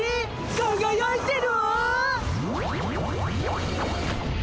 かがやいてるわ！